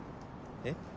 えっ？